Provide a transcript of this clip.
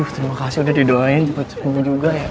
terima kasih udah didoain cepet cepet juga ya